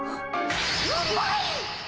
うまいっ！